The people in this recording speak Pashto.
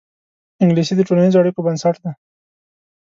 انګلیسي د ټولنیزو اړیکو بنسټ دی